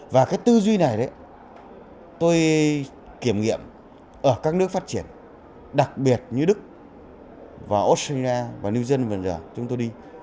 và cái tư duy này tôi kiểm nghiệm ở các nước phát triển đặc biệt như đức và australia và new zealand bây giờ chúng tôi đi